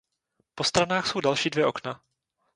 Po stranách jsou další dvě okna.